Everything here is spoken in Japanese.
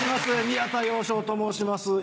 宮田陽・昇と申します。